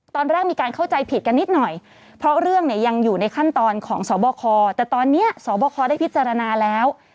ตอนแรกมีการเข้าใจผิดกันนิดหน่อยเพราะเรื่องเนี่ยยังอยู่ในขั้นตอนของสบคแต่ตอนนี้สบคได้พิจารณาแล้ว